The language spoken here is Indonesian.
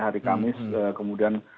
hari kamis kemudian